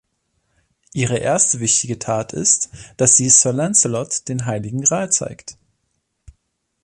Ihre erste wichtige Tat ist, dass sie Sir Lancelot den Heiligen Gral zeigt.